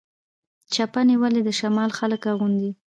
چپنې ولې د شمال خلک اغوندي؟